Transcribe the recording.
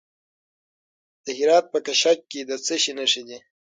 د هرات په کشک کې د څه شي نښې دي؟